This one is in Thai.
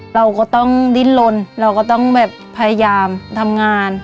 เราก็ต้องดิ้นลนเราก็ต้องแบบพยายามทำงาน